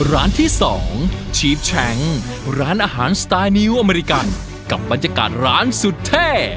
ร้านที่๒ชีฟแชงร้านอาหารสไตล์นิวอเมริกันกับบรรยากาศร้านสุดเท่